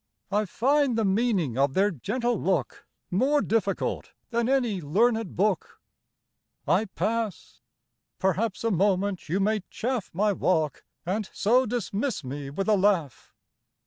I find the meaning of their gentle look More difficult than any learned book. I pass: perhaps a moment you may chaff My walk, and so dismiss me with a laugh.